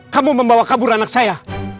kamu membawa kabur anak saya